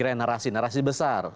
geng narasi narasi besar